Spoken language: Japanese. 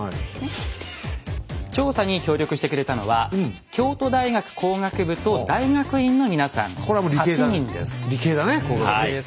調査に協力してくれたのは京都大学工学部と大学院の皆さん８人です。